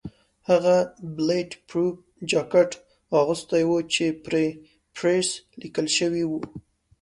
هغې بلېټ پروف جاکټ اغوستی و چې پرې پریس لیکل شوي وو.